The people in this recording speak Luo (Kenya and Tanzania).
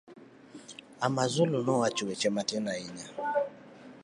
Amazulu nowacho weche matin ahinya.